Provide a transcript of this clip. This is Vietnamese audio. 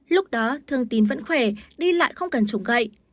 lúc đó thương tín vẫn khỏe đi lại không cần chủng gậy